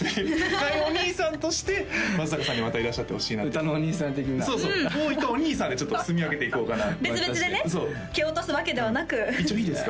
開運お兄さんとして松阪さんにまたいらっしゃってほしいな歌のお兄さん的なそうそうＢｏｙとお兄さんでちょっとすみ分けていこうかな別々でね蹴落とすわけではなく一応いいですか？